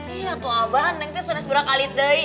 iya tuh abah neng serius berakalit deh